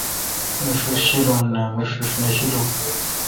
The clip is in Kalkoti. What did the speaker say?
می ݭیݭ شوُل نان۔۔۔۔می ݭیݭ نہ شیلون